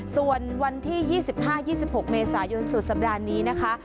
ส่วนวันที่๒๕๒๖เมษายนสุดสัปดาห์นี้นะคะ